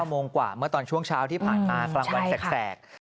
โมงกว่าเมื่อตอนช่วงเช้าที่ผ่านมากลางวันแสก